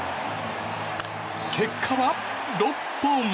結果は６本。